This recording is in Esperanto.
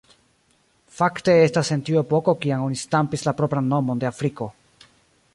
Fakte estas en tiu epoko kiam oni stampis la propran nomon de Afriko.